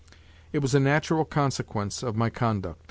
It was a natural consequence of my conduct.